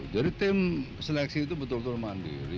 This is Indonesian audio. jadi tim seleksi itu betul betul mandiri